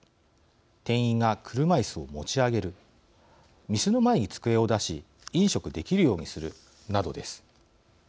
店員が車いすを持ち上げる店の前に机を出し飲食できるようにするなどです。